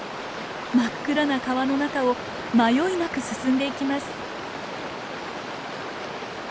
真っ暗な川の中を迷いなく進んでいきます。